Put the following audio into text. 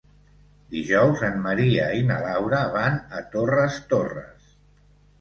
Dijous en Maria i na Laura van a Torres Torres.